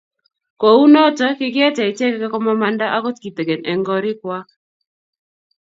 kou noto, kikiete icheke komamanda akot kitegen eng' korikwak